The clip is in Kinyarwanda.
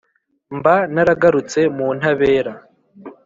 mba naragarutse mu ntabera